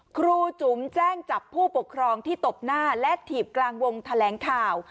ครูจุ๋มแจ้งจับผู้ปกครองที่ตบหน้าและถีบกลางวงแถลงข่าว